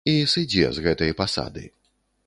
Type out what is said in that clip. І сыдзе з гэтай пасады.